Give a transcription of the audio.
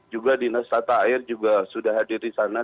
juga di nesta ta'air juga sudah hadir di sana